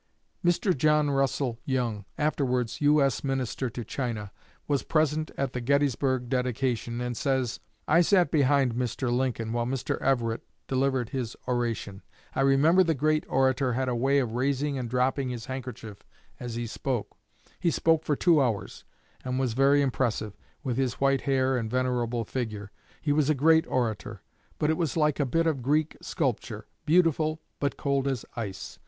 Mr. John Russell Young, afterwards U.S. Minister to China, was present at the Gettysburg dedication, and says: "I sat behind Mr. Lincoln while Mr. Everett delivered his oration. I remember the great orator had a way of raising and dropping his handkerchief as he spoke. He spoke for two hours, and was very impressive, with his white hair and venerable figure. He was a great orator, but it was like a bit of Greek sculpture beautiful, but cold as ice.